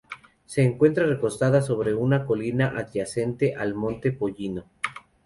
Se encuentra recostada sobre una colina adyacente al monte Pollino.